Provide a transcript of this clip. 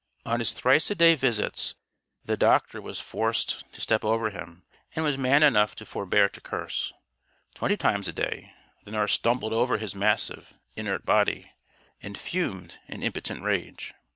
On his thrice a day visits, the doctor was forced to step over him, and was man enough to forbear to curse. Twenty times a day, the nurse stumbled over his massive, inert body, and fumed in impotent rage.